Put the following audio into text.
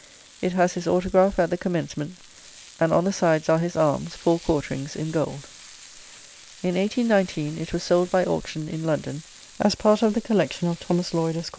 It has his autograph at the commencement, and on the sides are his arms (four quarterings) in gold. In 1819, it was sold by auction in London, as part of the collection of Thomas Lloyd, Esq.